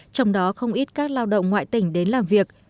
trong đó không ít các lao động ngoại tỉnh đến làm việc